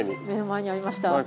目の前にありました。